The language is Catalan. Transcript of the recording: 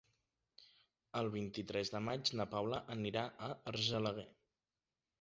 El vint-i-tres de maig na Paula anirà a Argelaguer.